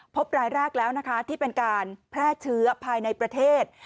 พบรายแรกแล้วนะคะที่เป็นการแพร่เชื้อภายในประเทศ